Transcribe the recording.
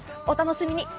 お楽しみに。